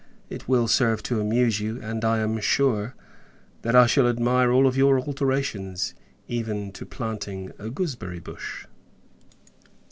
It will serve to amuse you; and, I am sure, that I shall admire all your alterations, even to planting a gooseberry bush.